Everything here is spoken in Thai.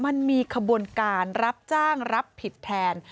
มันมีขบวนการรับจ้างรับผิดแทน